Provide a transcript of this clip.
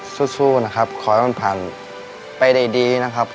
สู้นะครับขอให้มันผ่านไปได้ดีนะครับ